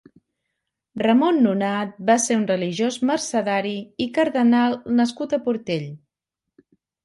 Ramon Nonat va ser un religiós mercedari i cardenal nascut a Portell.